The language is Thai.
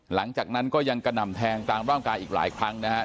หลังจากนั้นก็ยังกระหน่ำแทงตามร่างกายอีกหลายครั้งนะครับ